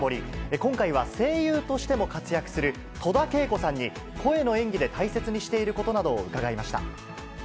今回は声優としても活躍する、戸田恵子さんに声の演技で大切にしていることなどを伺いました。